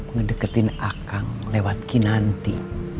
mendeketin akang lewat kinanti